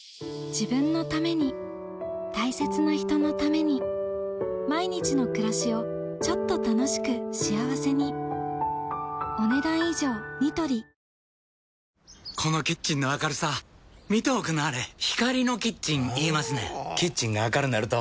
自分のために大切な人のために毎日の暮らしをちょっと楽しく幸せにこのキッチンの明るさ見ておくんなはれ光のキッチン言いますねんほぉキッチンが明るなると・・・